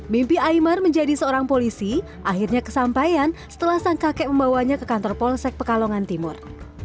mimpi imar menjadi seorang polisi akhirnya kesampaian setelah sang kakek membawanya ke kantor polsek pekalongan timur